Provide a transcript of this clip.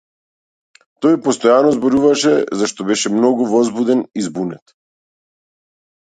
Тој постојано зборуваше зашто беше многу возбуден и збунет.